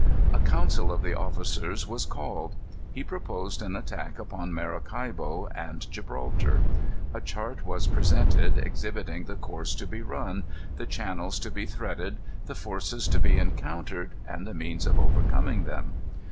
A council of the officers was called. He proposed an attack upon Maracaibo and Gibraltar. A chart was presented exhibiting the course to be run, the channels to be threaded, the forces to be encountered, and the means of overcoming them.